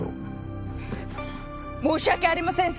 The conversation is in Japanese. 申し訳ありません！